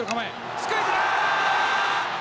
スクイズだ！